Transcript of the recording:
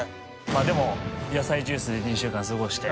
まぁでも野菜ジュースで２週間過ごして。